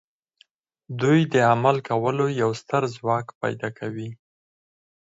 دوی د عمل کولو یو ستر ځواک پیدا کوي